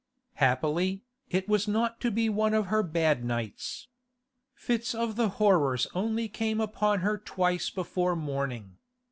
Happily, it was not to be one of her bad nights. Fits of the horrors only came upon her twice before morning.